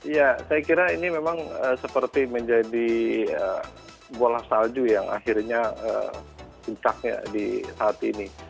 ya saya kira ini memang seperti menjadi bola salju yang akhirnya puncaknya di saat ini